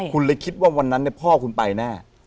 คุณเลยคิดว่าวันนั้นพ่อคุณไปแน่